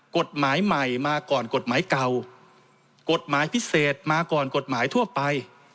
กฎหมายใหม่มาก่อนกฎหมายเก่ากฎหมายพิเศษมาก่อนกฎหมายทั่วไป